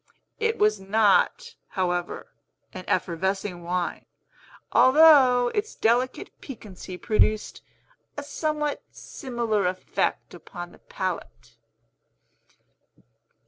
It was not, however, an effervescing wine, although its delicate piquancy produced a somewhat similar effect upon the palate.